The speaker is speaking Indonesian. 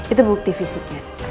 itu bukti fisiknya